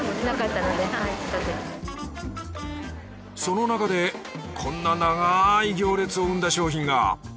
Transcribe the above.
そのなかでこんな長い行列を生んだ商品が。